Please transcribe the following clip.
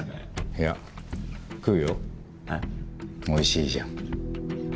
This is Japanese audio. おいしいじゃん。